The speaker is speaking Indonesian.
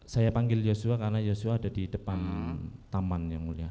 saya panggil joshua karena yosua ada di depan taman yang mulia